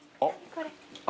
これ。